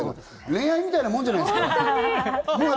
恋愛みたいなもんじゃないですか。